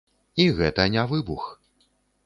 І гэта не выбух.